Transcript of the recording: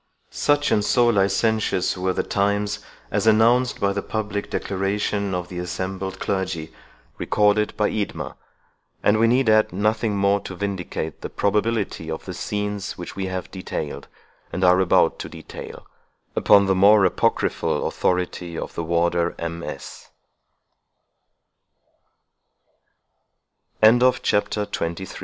Such and so licentious were the times, as announced by the public declaration of the assembled clergy, recorded by Eadmer; and we need add nothing more to vindicate the probability of the scenes which we have detailed, and are about to detail, upon the more apocryp